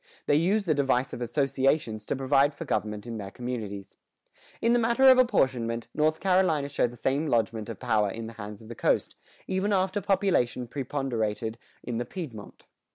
They used the device of "associations" to provide for government in their communities.[120:2] In the matter of apportionment, North Carolina showed the same lodgment of power in the hands of the coast, even after population preponderated in the Piedmont.